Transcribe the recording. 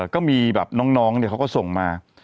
ก็มีแบบน้องเขาก็ส่งมา